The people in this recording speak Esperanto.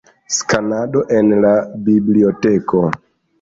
Skanado en la biblioteko.